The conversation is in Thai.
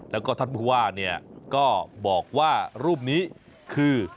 แล้วก็ท่านผู้ว่าเนี่ยก็บอกว่ารูปนี้คือ